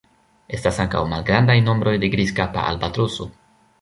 Estas ankaŭ malgrandaj nombroj de Grizkapa albatroso.